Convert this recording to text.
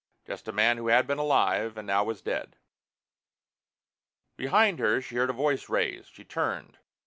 Just a man who had been alive and now was dead. Behind her she heard a voice raised. She turned.